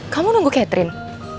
kamu nunggu catherine